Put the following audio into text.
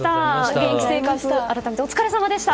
現役生活、改めてお疲れさまでした。